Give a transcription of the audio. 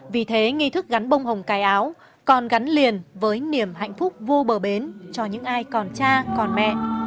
vì thế nghi thức gắn bông hồng cài áo còn gắn liền với niềm hạnh phúc vô bờ bến cho những ai còn cha còn mẹ